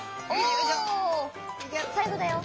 さいごだよ。